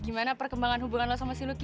gimana perkembangan hubungan lo sama si lucky